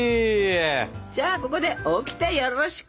じゃあここでオキテよろしく。